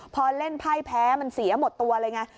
พอเล่นไพ่แพ้มันเสียหมดตัวเลยไง